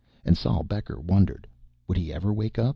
And Sol Becker wondered would he ever awake?